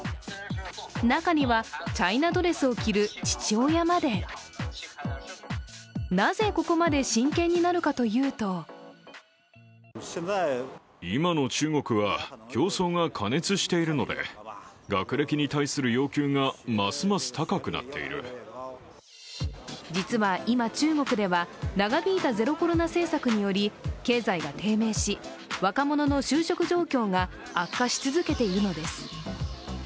中にはチャイナドレスを着る父親までなぜ、ここまで真剣になるかというと実は今、中国では長引いたゼロコロナ政策により経済が低迷し若者の就職状況が悪化し続けているのです。